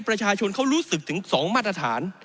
ประชาชนเขารู้สึกถึง๒มาตรฐาน